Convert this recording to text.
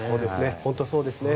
本当にそうですね。